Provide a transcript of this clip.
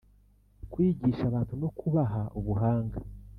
Kwigisha abantu no kubaha ubuhanga